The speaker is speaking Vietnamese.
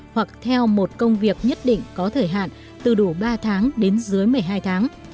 hoặc theo một công việc nhất định có thời hạn từ đủ ba tháng đến dưới một mươi hai tháng